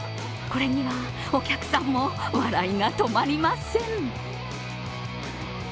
これには、お客さんも笑いが止まりません。